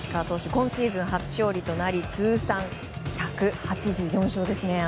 今シーズン初勝利となり通算１８４勝ですね。